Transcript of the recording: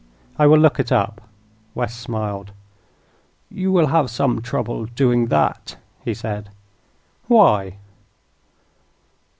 "I will look it up." West smiled. "You will have some trouble doing that," he said. "Why?"